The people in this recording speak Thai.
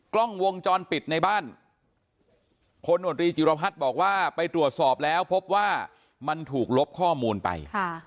กล้องวงจรปิดในบ้านพลโนตรีจิรพัฒน์บอกว่าไปตรวจสอบแล้วพบว่ามันถูกลบข้อมูลไป